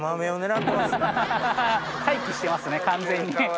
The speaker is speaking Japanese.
待機してますね完全に。